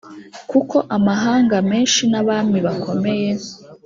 kuko amahanga menshi n abami bakomeye